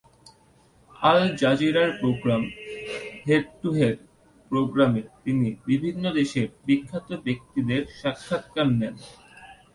আল-জাজিরার programme "head to head" প্রোগ্রামে তিনি বিভিন্ন দেশের বিখ্যাত ব্যক্তিদের সাক্ষাৎকার নেন।